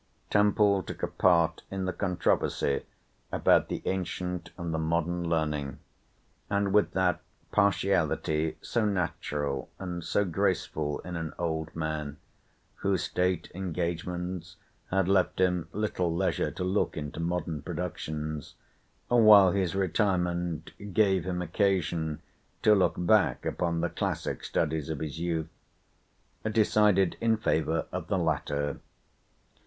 Temple took a part in the controversy about the ancient and the modern learning; and, with that partiality so natural and so graceful in an old man, whose state engagements had left him little leisure to look into modern productions, while his retirement gave him occasion to look back upon the classic studies of his youth—decided in favour of the latter.